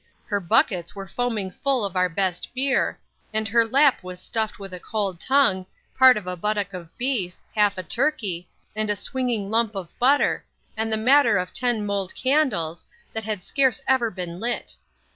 Her buckets were foaming full of our best bear, and her lap was stuffed with a cold tongue, part of a buttock of beef, half a turkey, and a swinging lump of butter, and the matter of ten mould kandles, that had scarce ever been lit.